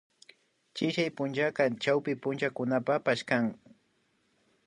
Chillay punllaka chawpi punchakunapapash kan